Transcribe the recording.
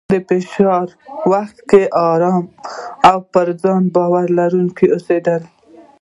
د فشار وخت کې ارام او په ځان باور لرونکی اوسېدل،